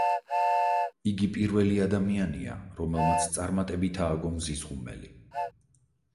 იგი პირველი ადამიანია, რომელმაც წარმატებით ააგო მზის ღუმელი.